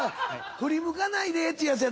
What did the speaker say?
振り向かないで」っていうやつやろ。